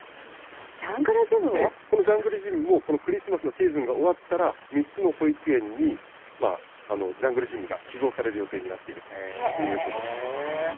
このジャングルジムも、クリスマスのシーズンが終わったら、３つの保育園にジャングルジムが寄贈される予定になっているということなんです。